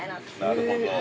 ◆なるほど。